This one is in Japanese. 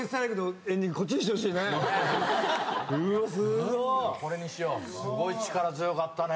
すごい力強かったね。